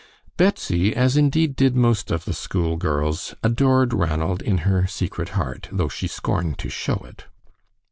Betsy, as indeed did most of the school girls, adored Ranald in her secret heart, though she scorned to show it.